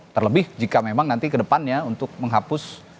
terlebih jika memang nanti kedepannya untuk menghapus